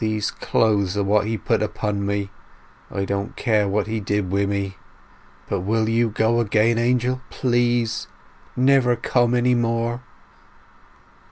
These clothes are what he's put upon me: I didn't care what he did wi' me! But—will you go away, Angel, please, and never come any more?"